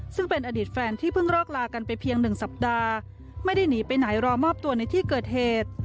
ซึ่งเป็นอดีตแฟนที่เพิ่งรอกลากันไปเพียงหนึ่งสัปดาห์ไม่ได้หนีไปไหนรอมอบตัวในที่เกิดเหตุ